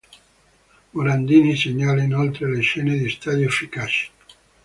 Morandini segnala inoltre le "scene di stadio efficaci".